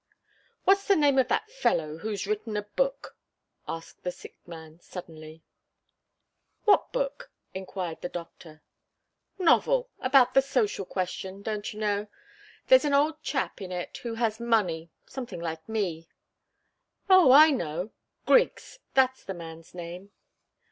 "What's the name of that fellow who's written a book?" asked the sick man, suddenly. "What book?" enquired the doctor. "Novel about the social question don't you know? There's an old chap in it who has money something like me." "Oh! I know. Griggs that's the man's name."